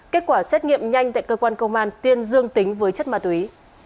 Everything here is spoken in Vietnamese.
kết quả xét nghiệm nhanh tại cơ quan công an tiên dương tính với chất ma túy